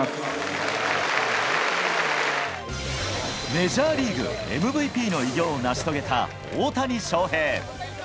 メジャーリーグＭＶＰの偉業を成し遂げた大谷翔平。